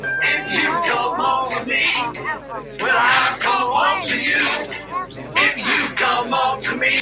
Being the last person out on the track, Brian nipped Elliott Sadler's qualifying time.